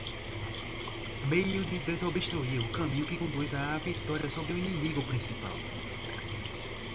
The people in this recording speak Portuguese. meio de desobstruir o caminho que conduz à vitória sobre o inimigo principal